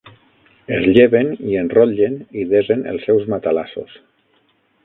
Es lleven i enrotllen i desen els seus matalassos.